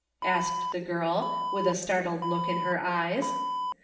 asked the girl, with a startled look in her eyes.